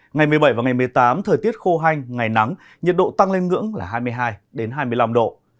ngày một mươi bảy và ngày một mươi tám thời tiết khô hanh ngày nắng nhiệt độ tăng lên ngưỡng là hai mươi hai hai mươi năm độ